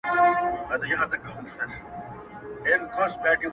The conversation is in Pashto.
پسله كلونو څه چي ياره دوى تــر غــــــاړي وتـــــــــل ـ